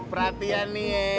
perhatian nih ya